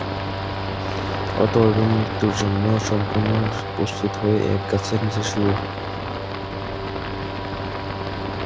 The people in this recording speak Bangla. অতএব মৃত্যুর জন্য সম্পূর্ণ প্রস্তুত হয়ে এক গাছের নিচে এসে শুয়ে পড়েছে।